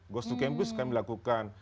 goes to campus kami lakukan